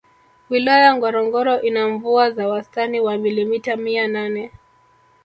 Wilaya Ngorongoro ina mvua za wastani wa milimita mia nane